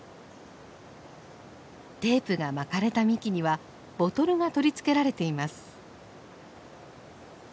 テープが巻かれた幹にはボトルが取り付けられています。